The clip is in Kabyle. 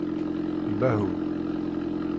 Bahu